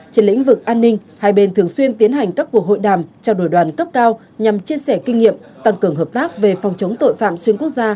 trên lĩnh vực an ninh hai bên thường xuyên tiến hành các cuộc hội đàm trao đổi đoàn cấp cao nhằm chia sẻ kinh nghiệm tăng cường hợp tác về phòng chống tội phạm xuyên quốc gia